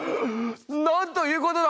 なんということだ！